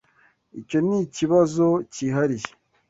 Icyo nikibazo cyihariye.